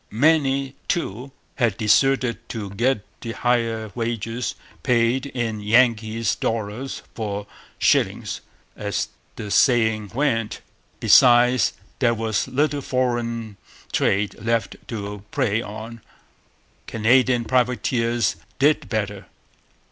Many, too, had deserted to get the higher wages paid in 'Yankees' 'dollars for shillings,' as the saying went. Besides, there was little foreign trade left to prey on. Canadian privateers did better.